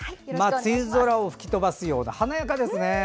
梅雨空を吹き飛ばすような華やかですね。